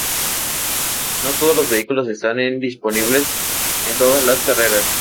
No todos los vehículos están en disponibles en todas las carreras.